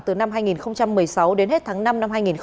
từ năm hai nghìn một mươi sáu đến hết tháng năm năm hai nghìn hai mươi